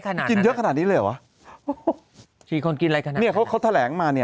๔คนกินอะไรขนาดนี้หว่าพรุงไม่แตกอ่านี่เขาแถลงมาเนี่ย